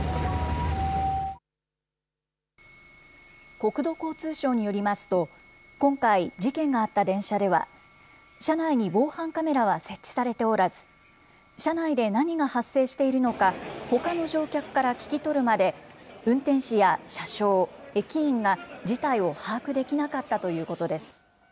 国土交通省によりますと、今回、事件があった電車では、車内に防犯カメラは設置されておらず、車内で何が発生しているのか、ほかの乗客から聞き取るまで、運転士や車掌、駅員が事態を把握できなかったということです。